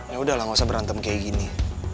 yaudahlah gak usah berantem kayak gini